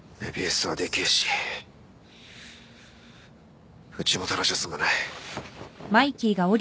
主はでけえしうちもただじゃ済まない。